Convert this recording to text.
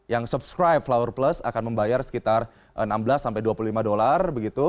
yang subscribe flower plus akan membayar sekitar enam belas sampai dua puluh lima dollar